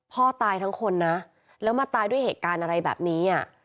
พ่อตายทั้งคนนะแล้วมาตายด้วยเหตุการณ์อะไรแบบนี้